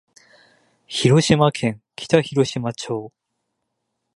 広島県北広島町